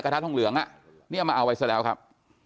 กระทะทองเหลืองอ่ะเนี่ยมาเอาไว้เสียแล้วครับ